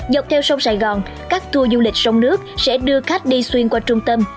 dọc theo sông sài gòn các tour du lịch sông nước sẽ đưa khách đi xuyên qua trung tâm